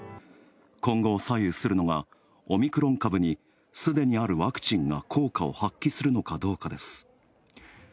今後、左右するのがオミクロン株にすでにあるワクチンが効果を発揮するのかどうかです。